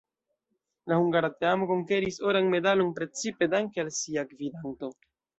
La hungara teamo konkeris oran medalon precipe danke al sia gvidanto.